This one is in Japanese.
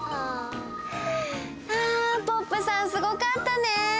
あポップさんすごかったね！